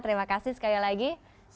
terima kasih sekali lagi